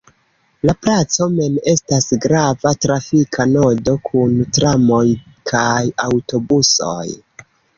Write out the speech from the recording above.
La placo mem estas grava trafika nodo kun tramoj kaj aŭtobusoj.